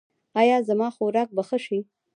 ایا زما خوراک به ښه شي؟